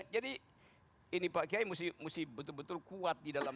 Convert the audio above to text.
jadi ini pak kiai mesti betul betul kuat di dalam